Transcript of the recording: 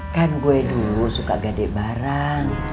kan gue dulu suka gade bareng